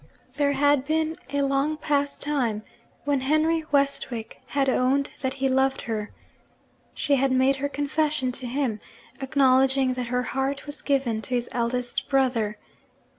There had been a long past time when Henry Westwick had owned that he loved her. She had made her confession to him, acknowledging that her heart was given to his eldest brother.